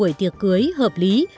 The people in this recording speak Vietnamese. điều tiệc cưới hợp lý